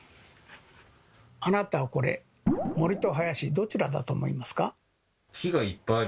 あなたはこれ森と林どちらだと思いますか？